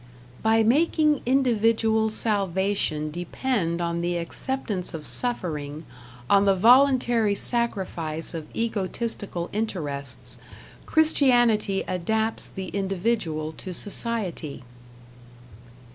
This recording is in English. "By making individual salvation depend on the acceptance of suffering, on the voluntary sacrifice of egotistical interests, Christianity adapts the individual to society".